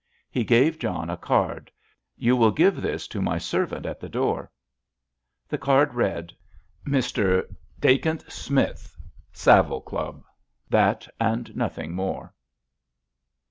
He gave John a card. "You will give this to my servant at the door." The card read: "Mr. Dacent Smith, Savile Club"—that and nothing more.